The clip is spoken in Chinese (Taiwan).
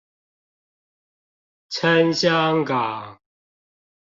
撐香港